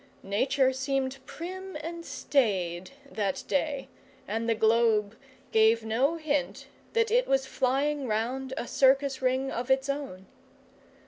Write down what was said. Nature seemed prim and staid that day and the globe gave no hint that it was flying round a circus ring of its own.